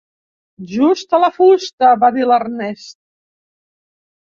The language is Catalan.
Justa la fusta, va dir l'Ernest.